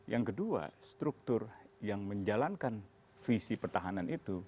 yang kedua struktur yang menjalankan visi pertahanan itu